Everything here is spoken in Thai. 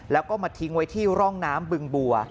แล้วก็มาทิ้งไว้ที่ร่องน้ำบึงบัว